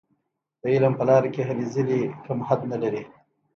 د علم په لاره کې هلې ځلې کوم حد نه لري.